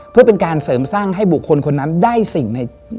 เพื่อเป็นการเสริมสร้างให้บุคคลคนนั้นได้สิ่งใน